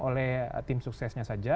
oleh tim suksesnya saja